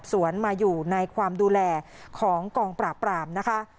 สวนมาอยู่ในความดูแลของกองปราบปรามนะคะ